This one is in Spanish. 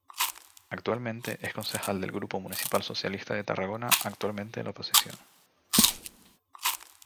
Actualmente, es concejal del Grupo Municipal Socialista de Tarragona, actualmente en la oposición.